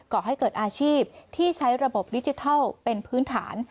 ก่อให้เกิดอาชีพที่ใช้ระบบดิจิทัลเป็นพื้นฐาน